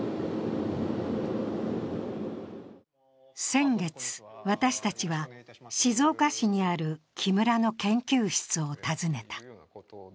先月、私たちは静岡市にある木村の研究室を訪ねた。